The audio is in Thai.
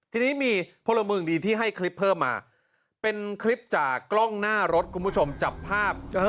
ทีนี้มีพลเมืองดีที่ให้คลิปเพิ่มมาเป็นคลิปจากกล้องหน้ารถคุณผู้ชมจับภาพ